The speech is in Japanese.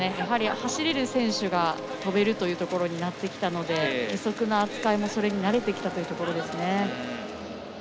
走れる選手が跳べるということになってきたので義足の扱いもそれに慣れてきたというところですね。